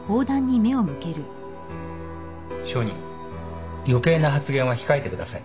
証人余計な発言は控えてください。